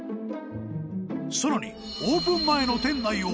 ［さらにオープン前の］